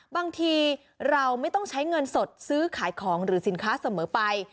บางทีเราไม่ต้องใช้เงินสดซื้อขายของหรือสินค้าเสมอไป